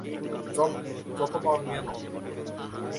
জন, যত পার নিয়ে নাও।